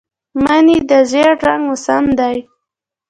مني د زېړ رنګ موسم دی